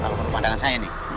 kalau pandangan saya nih